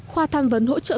khoa thăm vấn đề